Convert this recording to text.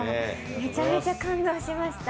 めちゃめちゃ感動しました。